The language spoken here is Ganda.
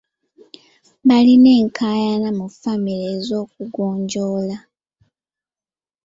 Balina enkaayana mu famire ez'okugonjoola.